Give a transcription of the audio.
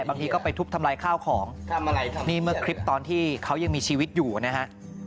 บางทีก็ไปทุบทำลายข้าวของนี่เมื่อคลิปตอนที่เขายังมีชีวิตอยู่นะฮะ